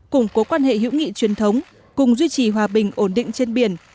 củng cố quan hệ hữu nghị truyền thống cùng duy trì hòa bình ổn định trên biển